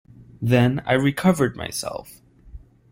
Then I recovered myself.